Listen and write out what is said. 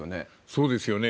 そうですよね。